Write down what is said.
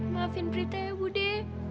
maafin prita ya budi